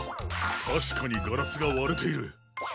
たしかにガラスがわれている。